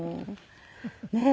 ねえ。